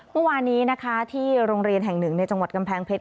เมื่อวานนี้นะคะที่โรงเรียนแห่งหนึ่งในจังหวัดกำแพงเพชร